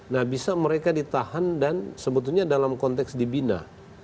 nah bisa mereka ditahan dan sebetulnya dalam konteks dibina